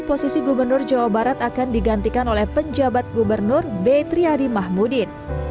posisi gubernur jawa barat akan digantikan oleh penjabat gubernur b triadi mahmudin